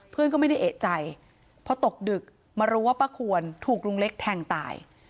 เพื่อนก็ไม่ได้เอกใจพอตกดึกมารู้ว่าป้าควรถูกลุงเล็กแทงตาย